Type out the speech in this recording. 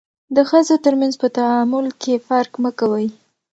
د ښځو ترمنځ په تعامل کې فرق مه کوئ.